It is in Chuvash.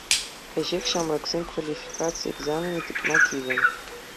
Кӗҫех ҫамӑрксен квалификаци экзаменне тытма тивӗ.